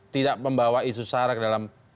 tidak membawa isu sara ke dalam